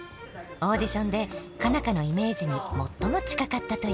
オーディションで佳奈花のイメージに最も近かったという。